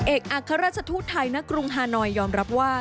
เอกอัครราชทูตไทยณกรุงฮานอยยอมรับว่า